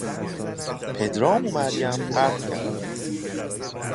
پدرام و مریم قهر کردند.